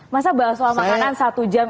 masa bahas soal makanan satu jam